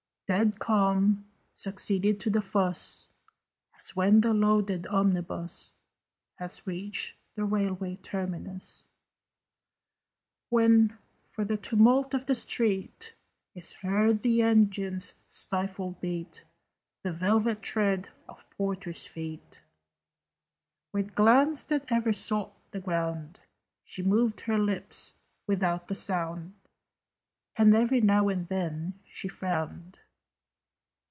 Dead calm succeeded to the fuss, As when the loaded omnibus Has reached the railway terminus: When, for the tumult of the street, Is heard the engine's stifled beat, The velvet tread of porters' feet. With glance that ever sought the ground, She moved her lips without a sound, And every now and then she frowned.